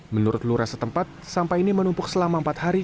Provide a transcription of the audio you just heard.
menurut lurah setempat sampah ini menumpuk selama empat hari